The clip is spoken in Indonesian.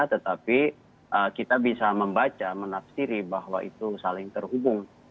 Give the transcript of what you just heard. tetapi kita bisa membaca menafsiri bahwa itu saling terhubung